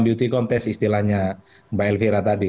beauty contest istilahnya mbak elvira tadi